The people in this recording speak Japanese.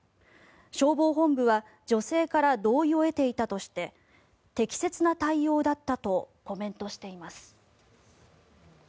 消防本部は女性から同意を得ていたとして適切な対応だったとコメントしています。